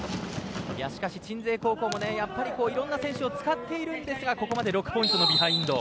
鎮西高校もいろんな選手を使っているんですがここまで６ポイントのビハインド。